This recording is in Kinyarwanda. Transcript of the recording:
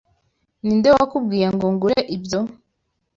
Ninde wakubwiye ngo ngure ibyo?